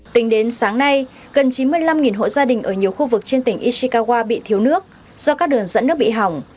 tính đến sáng nay gần chín mươi năm hộ gia đình ở nhiều khu vực trên tỉnh ishikawa bị thiếu nước do các đường dẫn nước bị hỏng